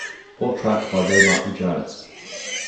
All tracks by They Might Be Giants.